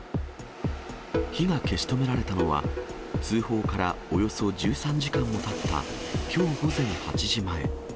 火が消し止められたのは、通報からおよそ１３時間もたったきょう午前８時前。